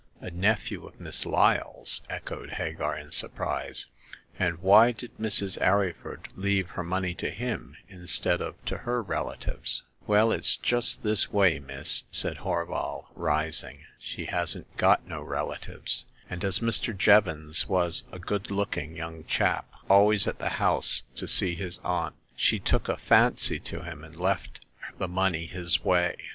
A nephew of Miss Lyle's !" echoed Hagar, in surprise. And why did Mrs. Arryford leave her money to him instead of to her relatives ?" Well, it's just this way, miss," said Horval, rising. She hadn't got no relatives ; and as Mr. Jevons was a good looking young chap, always at the house to see his aunt, she took a fancy to him and left the money his way."